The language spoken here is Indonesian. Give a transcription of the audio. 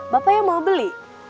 bapak ya mau beli